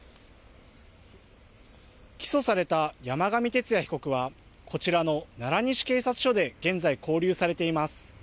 起訴された山上徹也被告はこちらの奈良西警察署で現在勾留されています。